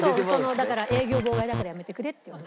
だから「営業妨害だからやめてくれ」って。